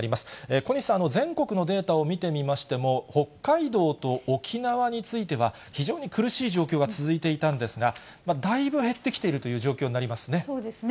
小西さん、全国のデータを見てみましても、北海道と沖縄については、非常に苦しい状況が続いていたんですが、だいぶ減ってきているという状況になりますね。